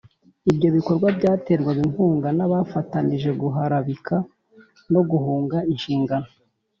Ibyo bikorwa byaterwaga inkunga n’abafatanyije guharabika no guhunga inshingano